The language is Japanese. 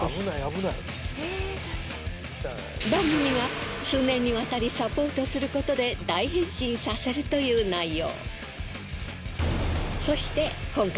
番組が数年にわたりサポートすることで大変身させるという内容。